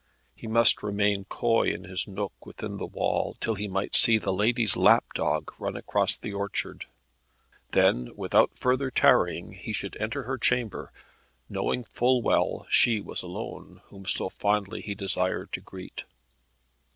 He must remain coy in his nook within the wall till he might see the lady's lapdog run across the orchard. Then without further tarrying he should enter her chamber, knowing full well she was alone, whom so fondly he desired to greet.